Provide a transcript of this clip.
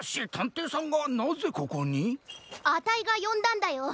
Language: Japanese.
あたいがよんだんだよ。